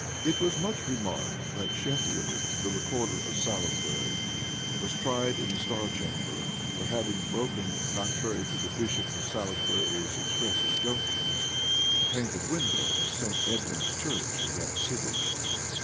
[*] It was much remarked, that Sheffield, the recorder of Salisbury, was tried in the star chamber, for having broken, contrary to the bishop of Salisbury's express injunctions, a painted window of St. Edmond's church in that city.